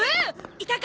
いたか？